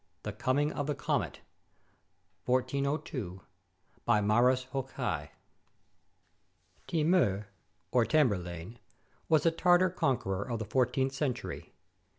THE COMING OF THE COMET BY MAURUS JOKAI [TiMTJR, or Tamerlane, was a Tartar conqueror of the four teenth century.